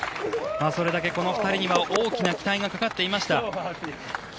それだけ、この２人には大きな期待がかかっていました。